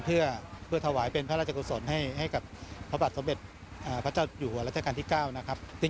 เพื่อถวายเป็นพระราชกุศลให้กับพระบาทสมเด็จพระเจ้าอยู่หัวรัชกาลที่๙นะครับ